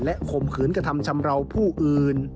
ข่มขืนกระทำชำราวผู้อื่น